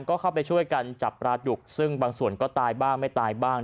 ก็เข้าไปช่วยกันจับปลาดุกซึ่งบางส่วนก็ตายบ้างไม่ตายบ้าง